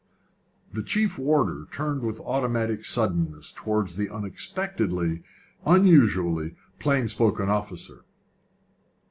The chief warder turned with automatic suddenness towards the unexpectedly and unusually plain spoken officer.